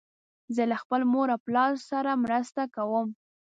زه له خپل مور او پلار سره مرسته کوم.